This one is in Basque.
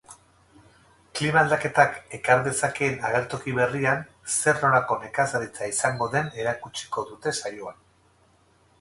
Klima aldaketak ekar dezakeen agertoki berrian zer-nolako nekazaritza izango den erakutsiko dute saioan.